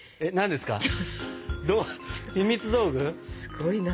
すごいな。